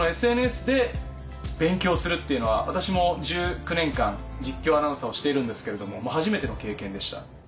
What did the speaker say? ＳＮＳで勉強するっていうのは私も１９年間実況アナウンサーをしているんですけれども初めての経験でした。